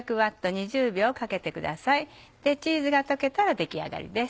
チーズが溶けたら出来上がりです。